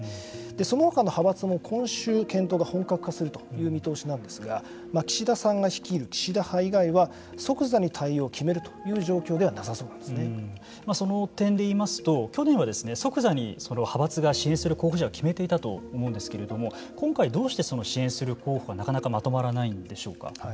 そのほかの派閥も今週検討が本格化するという見通しなんですが岸田さんが率いる岸田派以外は即座に対応を決めるというその点で言いますと去年は即座に派閥が支援する候補者を決めていたと思うんですけれども今回どうして支援する候補がなかなかまとまらないんでしょうか。